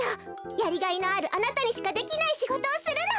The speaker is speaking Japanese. やりがいのあるあなたにしかできないしごとをするの！